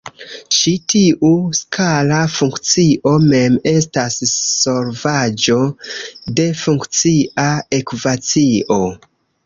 Ĉi tiu skala funkcio mem estas solvaĵo de funkcia ekvacio.